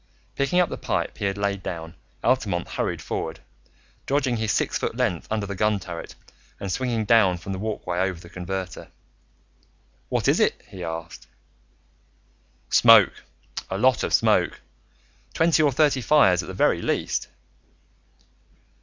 Picking up the pipe he had laid down, Altamont hurried forward, dodging his six foot length under the gun turret and swinging down from the walkway over the converter. "What is it?" he asked. "Smoke. A lot of smoke, twenty or thirty fires at the very least."